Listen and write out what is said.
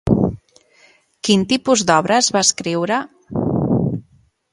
Quin tipus d'obres va escriure?